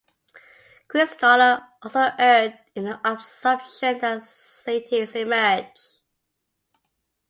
Christaller also erred in the assumption that cities "emerge".